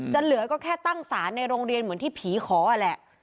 เหลือก็แค่ตั้งสารในโรงเรียนเหมือนที่ผีขอแหละ